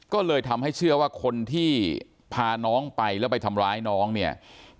ก็เลยทำให้เชื่อว่าคนที่พาน้องไปแล้วไปทำร้ายน้องเนี่ย